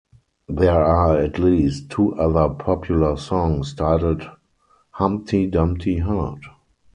There are at least two other popular songs titled "Humpty Dumpty Heart"